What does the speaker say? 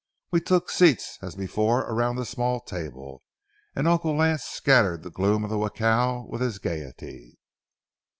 We took seats as before around the small table, and Uncle Lance scattered the gloom of the jacal with his gayety.